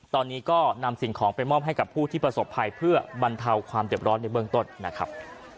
ตอนนี้ก็นำสิ่งของไปมอบให้กับผู้ที่ประสบภัยเพื่อบรรเทาความเด็บร้อนในเบื้องต้นนะครับ